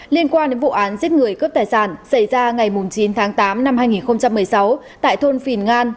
liên quan đến vụ án giết người cướp tài sản xảy ra ngày chín tháng tám năm hai nghìn một mươi sáu tại thôn phìn ngan